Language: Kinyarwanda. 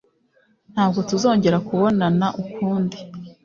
Ntabwo tuzongera kubonana ukundi.